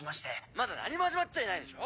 まだ何も始まっちゃいないでしょ。